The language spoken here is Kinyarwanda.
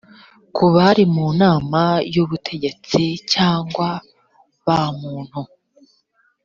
ku bari mu nama y ubutegetsi cyangwa bamuntu